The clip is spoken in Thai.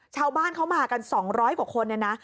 ชาวบ้านเขามากัน๒๐๐กว่าคนเนี่ยนะ